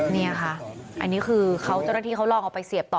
นี่ค่ะอันนี้คือเขาเจ้าหน้าที่เขาลองเอาไปเสียบต่อ